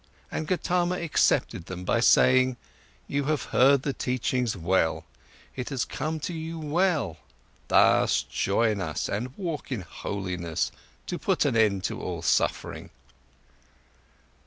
And Gotama accepted them by speaking: "You have heard the teachings well, it has come to you well. Thus join us and walk in holiness, to put an end to all suffering."